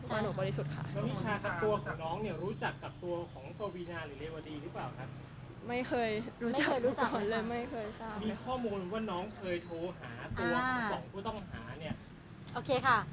ว่าหนูบริสุทธิ์ค่ะ